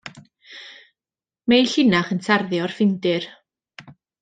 Mae ei llinach yn tarddu o'r Ffindir.